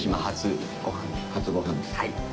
初ご飯です。